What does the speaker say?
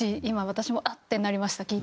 今私もあっ！ってなりました